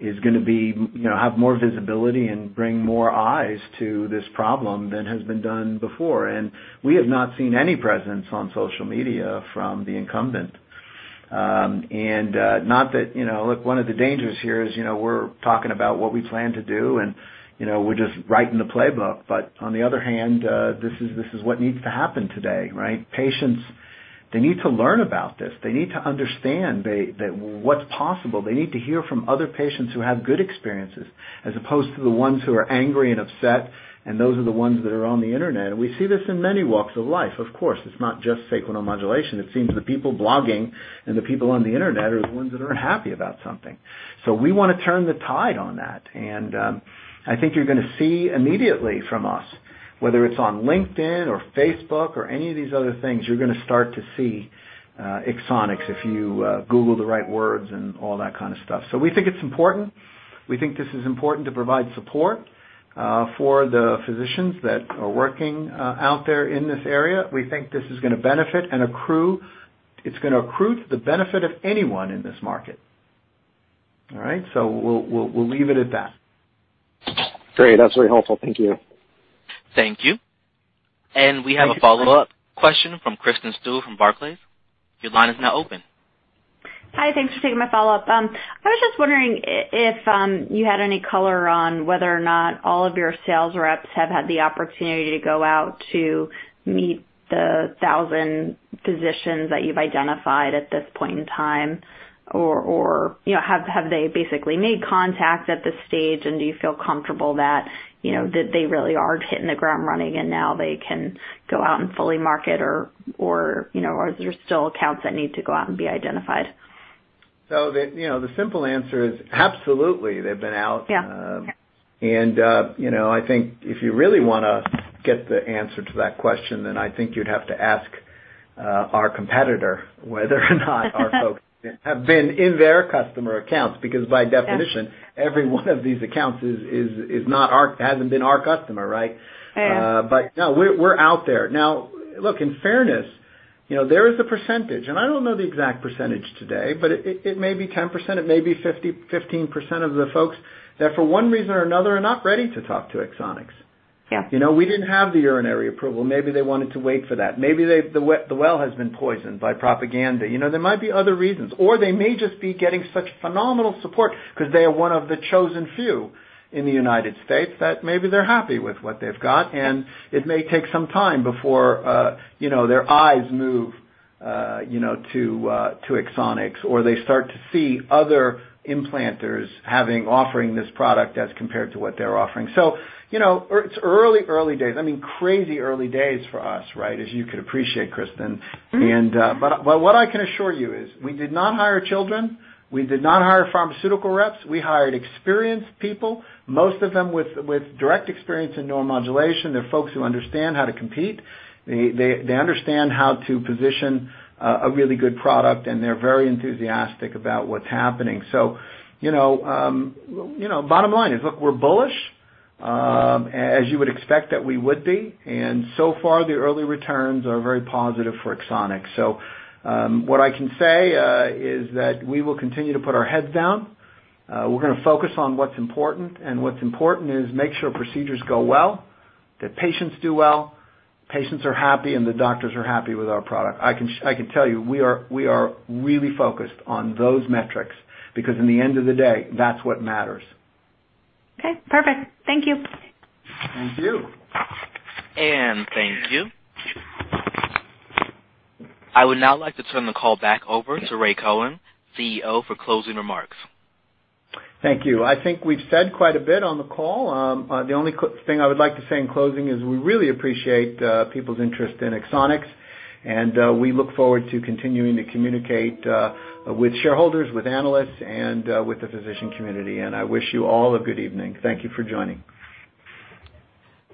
is going to have more visibility and bring more eyes to this problem than has been done before. We have not seen any presence on social media from the incumbent. Look, one of the dangers here is we're talking about what we plan to do and we're just writing the playbook. On the other hand, this is what needs to happen today, right? Patients, they need to learn about this. They need to understand what's possible. They need to hear from other patients who have good experiences as opposed to the ones who are angry and upset, and those are the ones that are on the Internet. We see this in many walks of life. Of course, it's not just sacral neuromodulation. It seems the people blogging and the people on the Internet are the ones that aren't happy about something. We want to turn the tide on that. I think you're going to see immediately from us. Whether it's on LinkedIn or Facebook or any of these other things, you're going to start to see Axonics if you Google the right words and all that kind of stuff. We think it's important. We think this is important to provide support for the physicians that are working out there in this area. We think this is going to benefit and it's going to accrue to the benefit of anyone in this market. All right, we'll leave it at that. Great. That's very helpful. Thank you. Thank you. We have a follow-up question from Kristen Stewart from Barclays. Your line is now open. Hi. Thanks for taking my follow-up. I was just wondering if you had any color on whether or not all of your sales reps have had the opportunity to go out to meet the 1,000 physicians that you've identified at this point in time? Have they basically made contact at this stage, and do you feel comfortable that they really are hitting the ground running and now they can go out and fully market, or are there still accounts that need to go out and be identified? The simple answer is absolutely, they've been out. Yeah. I think if you really want to get the answer to that question, then I think you'd have to ask our competitor whether or not our folks have been in their customer accounts, because by definition, every one of these accounts hasn't been our customer, right? Yeah. No, we're out there. Now, look, in fairness, there is a percentage, and I don't know the exact percentage today, but it may be 10%, it may be 15% of the folks that, for one reason or another, are not ready to talk to Axonics. Yeah. We didn't have the urinary approval. Maybe they wanted to wait for that. Maybe the well has been poisoned by propaganda. There might be other reasons. They may just be getting such phenomenal support because they are one of the chosen few in the U.S. that maybe they're happy with what they've got, and it may take some time before their eyes move to Axonics, or they start to see other implanters offering this product as compared to what they're offering. It's early days. I mean, crazy early days for us, right, as you could appreciate, Kristen. What I can assure you is we did not hire children. We did not hire pharmaceutical reps. We hired experienced people, most of them with direct experience in neuromodulation. They're folks who understand how to compete. They understand how to position a really good product, and they're very enthusiastic about what's happening. Bottom line is, look, we're bullish, as you would expect that we would be. So far, the early returns are very positive for Axonics. What I can say is that we will continue to put our heads down. We're going to focus on what's important, and what's important is make sure procedures go well, that patients do well, patients are happy, and the doctors are happy with our product. I can tell you, we are really focused on those metrics because at the end of the day, that's what matters. Okay, perfect. Thank you. Thank you. Thank you. I would now like to turn the call back over to Ray Cohen, CEO, for closing remarks. Thank you. I think we've said quite a bit on the call. The only thing I would like to say in closing is we really appreciate people's interest in Axonics, and we look forward to continuing to communicate with shareholders, with analysts, and with the physician community. I wish you all a good evening. Thank you for joining.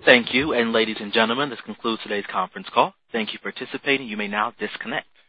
Thank you. Ladies and gentlemen, this concludes today's conference call. Thank you for participating. You may now disconnect.